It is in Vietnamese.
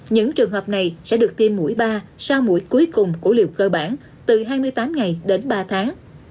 những trường hợp này sẽ được tiêm mũi ba sau mũi cuối cùng của liều cơ bản từ hai mươi tám ngày đến ba tháng